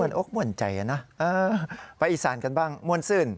นอกมวลใจนะไปอีสานกันบ้างมวลซื่น